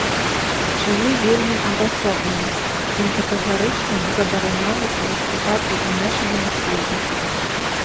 Жылі вельмі адасоблена, ім катэгарычна забаранялася ўступаць у змешаныя шлюбы.